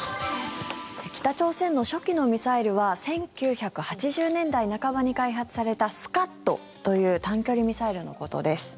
北朝鮮の初期のミサイルは１９８０年代半ばに開発されたスカッドという短距離ミサイルのことです。